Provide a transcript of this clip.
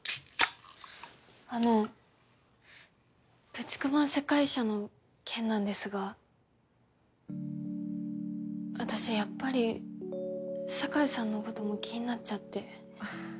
あのプチクマ世界社の件なんですが私やっぱり境さんのことも気になっちゃって。